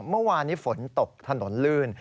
เมื่อวานนี้ฝนตกถนนลื่น